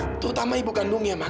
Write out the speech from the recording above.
yang terutama ibu kandungnya mak